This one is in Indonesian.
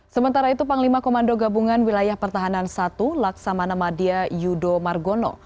sementara itu panglima komando gabungan wilayah pertahanan i laksamana madia yudo margono